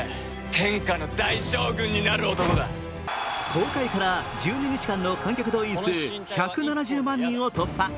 公開から１２日間の観客動員数１７０万人を突破。